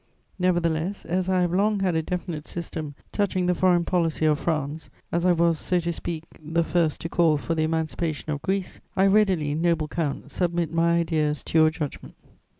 Nevertheless, as I have long had a definite system touching the foreign policy of France, as I was, so to speak, the first to call for the emancipation of Greece, I readily, noble count, submit my ideas to your judgment.